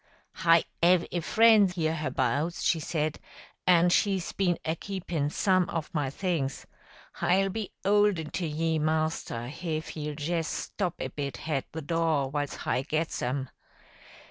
"Hi 'ave a friend 'herhabouts," she said, "an' she's been a keepin' some of my things. Hi'll be 'olden to ye, master, hif ye'll jes stop a bit hat the door whiles hi gets 'em.